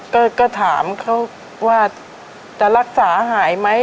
ก็ถามเขาว่าจะรักษาหายไหม